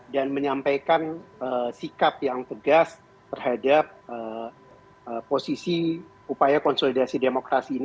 dan menyampaikan sikap yang tegas terhadap posisi upaya konsolidasi demokrasi ini